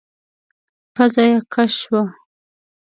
پزه يې کش شوه.